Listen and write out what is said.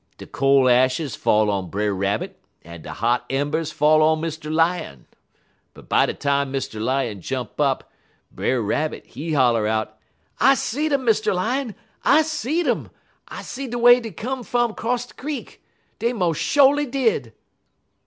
De cole ashes fall on Brer Rabbit, en de hot embers fall on Mr. Lion. But by de time Mr. Lion jump up, Brer Rabbit, he holler out: "'I seed um, Mr. Lion! I seed um! I seed de way dey come fum 'cross de creek! Dey mos' sho'ly did!'